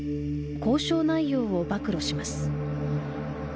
交渉内容を暴露します。